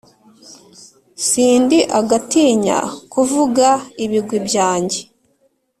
si ndi agatinya kuvuga ibigwi byanjye.